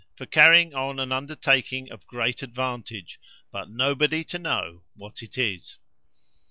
For carrying on an undertaking of great advantage; but nobody to know what it is.